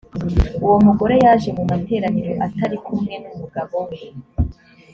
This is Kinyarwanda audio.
uwo mugore yaje mu materaniro atari kumwe n umugabo we